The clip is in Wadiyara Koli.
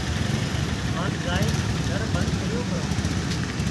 هانَ زائينَ در بند ڪريون پرون